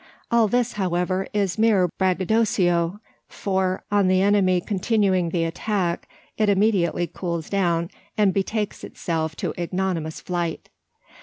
All this, however, is mere braggadocio; for, on the enemy continuing the attack, it immediately cools down, and betakes itself to ignominious flight.